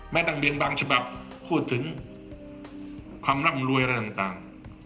ตั้งเรียนบางฉบับพูดถึงความร่ำรวยอะไรต่าง